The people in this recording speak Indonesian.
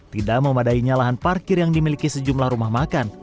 tidak memadainya lahan parkir yang dimiliki sejumlah rumah makan